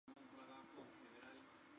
Su segunda obra fue 'Tras la guarida'.